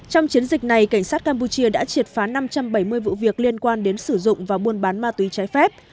trong chiến dịch này cảnh sát campuchia đã triệt phá năm trăm bảy mươi vụ việc liên quan đến sử dụng và buôn bán ma túy trái phép